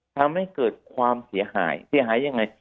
ทำให้เกิดความเสียหายเสียหายยังไง